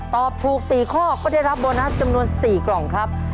ตอบถูก๔ข้อก็ได้รับโบนัสจำนวน๔กล่องครับ